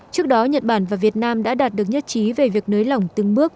trước đó nhật bản và việt nam đã đạt được nhất trí về việc nới lỏng từng bước